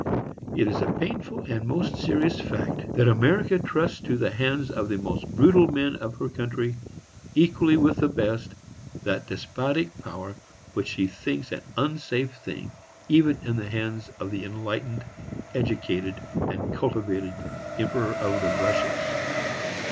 It is a painful and most serious fact, that America trusts to the hands of the most brutal men of her country, equally with the best, that despotic power which she thinks an unsafe thing even in the hands of the enlightened, educated and cultivated Emperor of the Russias.